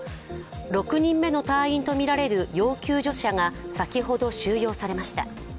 ６人目の隊員とみられる要救助者が先ほど収容されました。